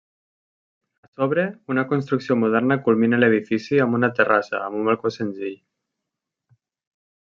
A sobre, una construcció moderna culmina l'edifici amb una terrassa amb un balcó senzill.